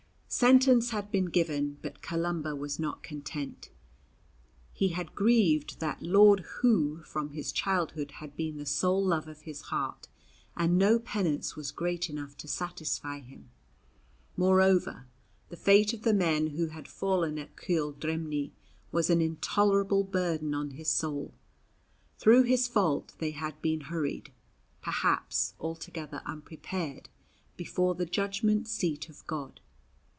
Sentence had been given, but Columba was not content. He had grieved that Lord Who from his childhood had been the sole love of his heart, and no penance was great enough to satisfy him. Moreover the fate of the men who had fallen at Cuil dreimhne was an intolerable burden on his soul. Through his fault they had been hurried perhaps altogether unprepared before the judgment seat of God.